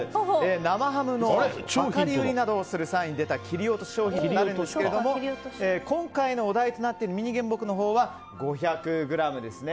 生ハムの量り売りをする際に出た切り落としなんですけど今回のお題となっているミニ原木のほうは５００ｇですね。